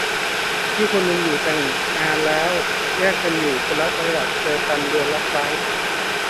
พี่คนนึงอยู่แต่งงานแล้วแยกกันอยู่คนละจังหวัดเจอกันเดือนละครั้ง